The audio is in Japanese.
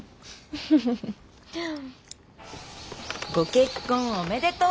ご結婚おめでとう！